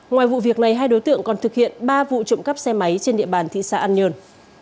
ngoài vụ việc này hai đối tượng còn thực hiện ba vụ trộm cắp xe máy trên địa bàn thị xã an nhơn